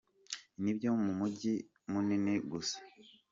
Ni ibyo mu mijyi minini gusa.